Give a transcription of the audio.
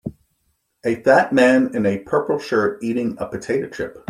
A fat man in a purple shirt eating a potato chip.